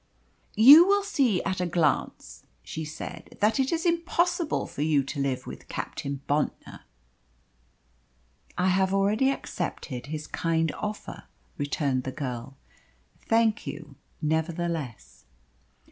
"You will see at a glance," she said, "that it is impossible for you to live with Captain Bontnor." "I have already accepted his kind offer," returned the girl. "Thank you, nevertheless."